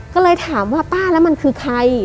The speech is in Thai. ก็เลยถามว่าป้าแล้วมันคือใคร